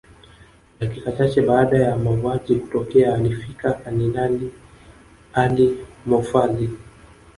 Dakika chache baada ya mauaji kutokea alifika Kanali Ali Mahfoudhi